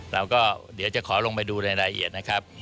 เราก็เดี๋ยวจะขอลงไปดูในรายละเอียดนะครับ